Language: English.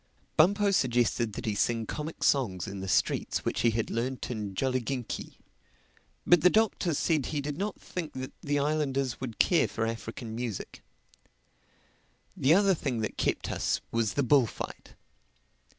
Bumpo suggested that he sing comic songs in the streets which he had learned in Jolliginki. But the Doctor said he did not think that the islanders would care for African music. The other thing that kept us was the bullfight.